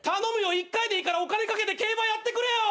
一回でいいからお金賭けて競馬やってくれよ！